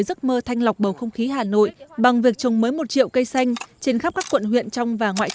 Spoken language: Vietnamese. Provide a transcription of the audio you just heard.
giấc mơ thanh lọc bầu không khí hà nội bằng việc trồng mới một triệu cây xanh trên khắp các quận huyện